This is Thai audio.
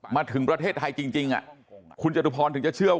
มาถึงประเทศไทยจริงคุณจตุพรถึงจะเชื่อว่า